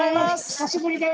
久しぶりです。